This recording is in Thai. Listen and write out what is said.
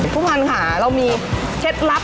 ผู้พันธ์ค่ะเรามีเทศลับ